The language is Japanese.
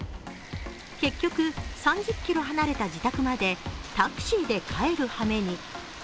結局、３０ｋｍ離れた自宅までタクシーで帰るはめに。